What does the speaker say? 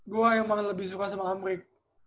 gue emang lebih suka sama amrik